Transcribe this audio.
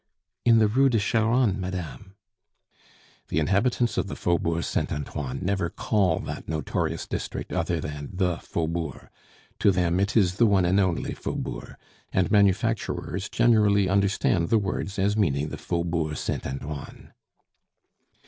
"In the Rue de Charonne, madame." The inhabitants of the Faubourg Saint Antoine never call that notorious district other than the Faubourg. To them it is the one and only Faubourg; and manufacturers generally understand the words as meaning the Faubourg Saint Antoine.